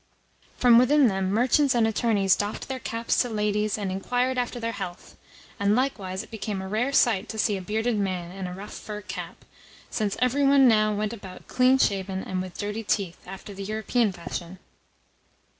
From within them merchants and attorneys doffed their caps to ladies, and inquired after their health, and likewise it became a rare sight to see a bearded man in a rough fur cap, since every one now went about clean shaven and with dirty teeth, after the European fashion.